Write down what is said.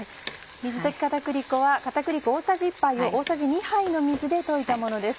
水溶き片栗粉は片栗粉大さじ１杯を大さじ２杯の水で溶いたものです。